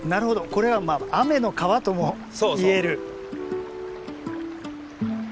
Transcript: これは雨の川とも言える。